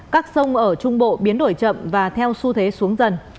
các sông ở trung bộ biến đổi chậm và theo xu thế xuống dần